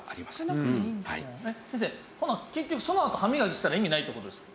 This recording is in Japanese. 先生ほな結局そのあと歯みがきしたら意味ないって事ですか？